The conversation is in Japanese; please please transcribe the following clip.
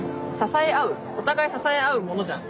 お互い支え合うものじゃん。